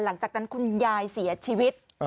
หลังจากนั้นคุณยายเสียชีวิต